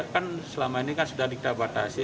kan selama ini sudah dibatasi